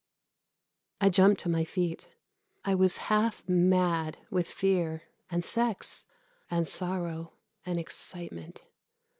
I jumped to my feet I was half mad with fear and sex and sorrow and excitement.